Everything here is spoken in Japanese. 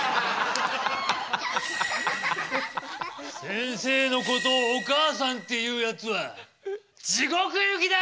先生のことを「お母さん」って言うやつはじごく行きだ！